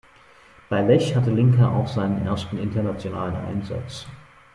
Bei Lech hatte Linka auch seinen ersten internationalen Einsatz.